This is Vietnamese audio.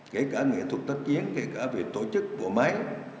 kể cả nghệ thuật tác chiến kể cả việc tổ chức bộ máy